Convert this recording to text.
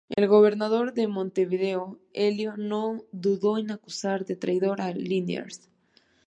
El gobernador de Montevideo, Elío, no dudó en acusar de traidor a Liniers.